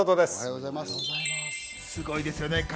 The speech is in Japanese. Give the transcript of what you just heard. すごいですよね。